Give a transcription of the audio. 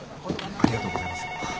ありがとうございます。